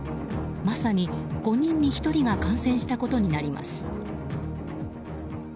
まさに５人に１人が感染したことになります。